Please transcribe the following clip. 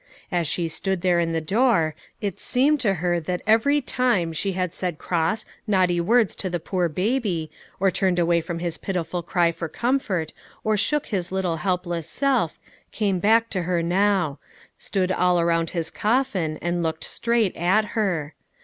As she stood there in the door, it seemed to her that every time she had ever said cross, naughty words to the poor baby, or turned away from his pitiful cry for comfort, or shook his little helpless self, came back to her now, stood all around his coffin, and looked straight at her.